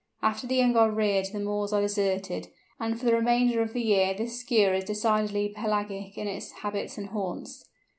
After the young are reared the moors are deserted, and for the remainder of the year this Skua is decidedly pelagic in its habits and haunts.